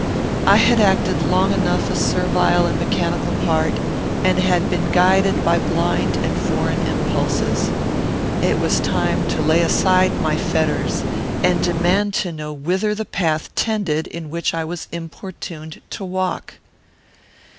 I had acted long enough a servile and mechanical part; and been guided by blind and foreign impulses. It was time to lay aside my fetters, and demand to know whither the path tended in which I was importuned to walk.